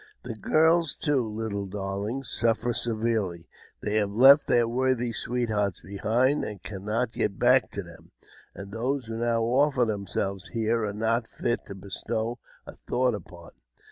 The girls, too, little darlings, suffer severely. They have left their worthy sw^eethearts behind, and cannot get back to them ; and those who now offer themselves here are not fit to bestow a thought upon.